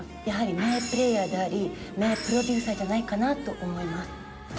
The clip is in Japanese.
やはり名プレイヤーであり名プロデューサーじゃないかなと思います。